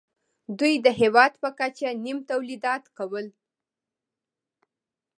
دوی د هېواد په کچه نیم تولیدات کول